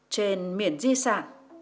trên miền di sản